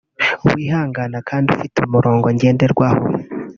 wihangana kandi ufite umurongo agenderaho